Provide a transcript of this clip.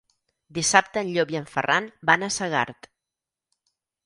Dissabte en Llop i en Ferran van a Segart.